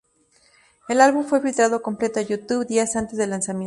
El álbum fue filtrado completo a YouTube días antes del lanzamiento.